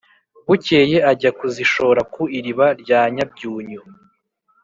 bukeye ajya kuzishora ku iriba rya nyabyunyu,